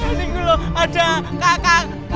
ini gua ada kakak